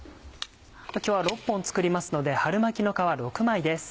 今日は６本作りますので春巻きの皮６枚です。